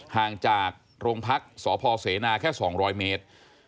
ห่างจากโรงพักษพเสนาแค่๒๐๐เมตร